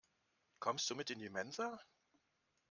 Kommst du mit in die Mensa?